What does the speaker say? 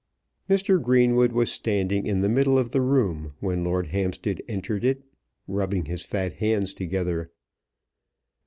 Mr. Greenwood was standing in the middle of the room when Lord Hampstead entered it, rubbing his fat hands together.